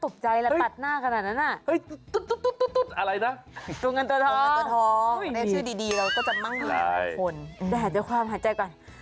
มีบอสอะไรต่อไป